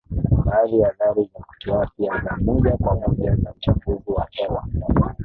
Baadhi ya athari za kiafya za moja kwa moja za uchafuzi wa hewa